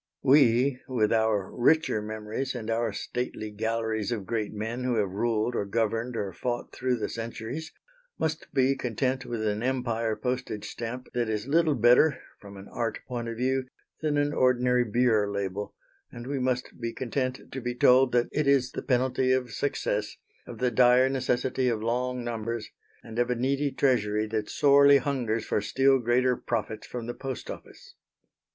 We, with our richer memories and our stately galleries of great men who have ruled or governed or fought through the centuries, must be content with an Empire postage stamp that is little better, from an art point of view, than an ordinary beer label, and we must be content to be told that it is the penalty of success, of the dire necessity of long numbers, and of a needy Treasury that sorely hungers for still greater profits from the Post Office.